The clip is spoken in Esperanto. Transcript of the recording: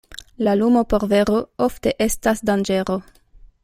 La lumo por vero ofte estas danĝero.